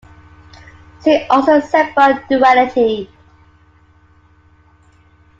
See also Seiberg duality.